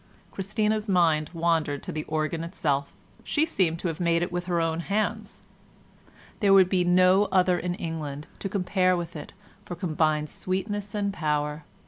Christina's mind wandered to the organ itself; she seemed to have made it with her own hands; there would be no other in England to compare with it for combined sweetness and power.